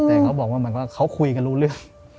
แต่เขาบอกว่าเขาคุยกันรู้เรื่อง